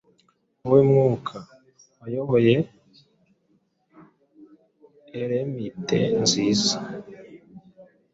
Wowe Mwuka, wayoboye iyi Eremite nziza